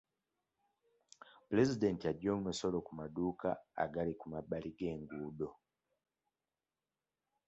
Pulezidenti aggye omusolo ku maduuka agali ku mabbali g'enguudo.